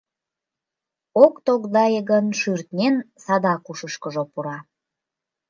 Ок тогдае гын, шӱртнен, садак ушышкыжо пура.